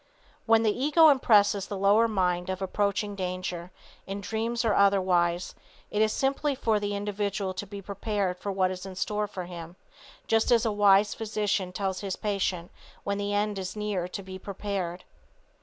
When the ego impresses the lower mind of approaching danger, in dreams or otherwise, it is simply for the individual to be prepared for what is in store for him, just as a wise physician tells his patient when the end is near to be prepared.